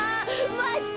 まってよ！